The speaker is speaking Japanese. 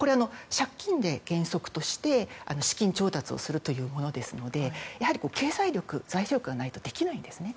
借金で原則として資金調達をするというものですのでやはり経済力、財政力がないとできないんですね。